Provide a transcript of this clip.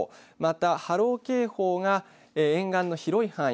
また、波浪警報が沿岸の広い範囲。